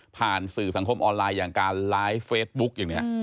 ผ่านสื่อสังคมออนไลน์อย่างการไลฟ์เฟซบุ๊กอย่างนี้